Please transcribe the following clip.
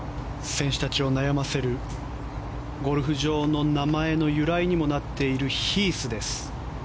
選手たちを悩ませるゴルフ場の名前の由来にもなっているヒースです。